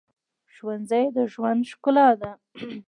ښوونځی د ژوند ښکلا ده